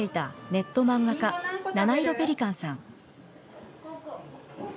ネット漫画家、ナナイロペリカンさん。